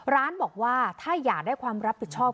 ร้านบอกว่าถ้าอยากได้ความรับผิดชอบ